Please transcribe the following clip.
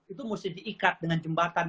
itu mesti diikat dengan jembatan